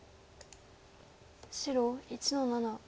白１の七。